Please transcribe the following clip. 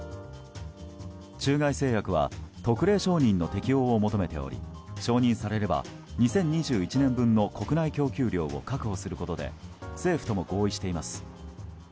中外製薬は特例承認の適用を求めており承認されれば２０２１年分の国内供給量を確保することで政府とも合意しています。